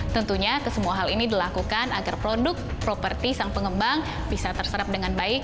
tentunya kesemua hal ini dilakukan agar produk properti sang pengembang bisa terserap dengan baik